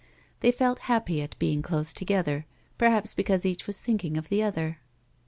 They felt happy at being close together, perhaps because each was thinking of the other.